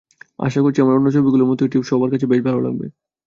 আশা করছি, আমার অন্য ছবিগুলোর মতো এটিও সবার কাছে বেশ ভালো লাগবে।